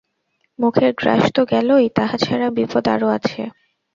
মুখের গ্রাস তো গেলই, তাহা ছাড়া বিপদ আরও আছে।